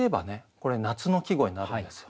これ夏の季語になるんですよ。